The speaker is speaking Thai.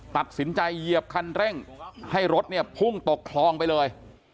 ตัดสินใจเหยียบคันเร่งให้รถเนี่ยพุ่งตกคลองไปเลย